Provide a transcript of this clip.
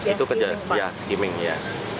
itu kejadian skimming ya